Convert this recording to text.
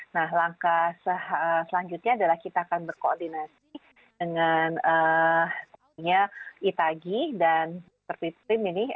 nah langkah selanjutnya adalah kita akan berkoordinasi dengan itagi dan seperti tim ini